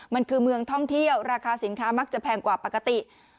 มันคือเมืองท่องเที่ยวราคาสินค้ามักจะแพงกว่าปกติ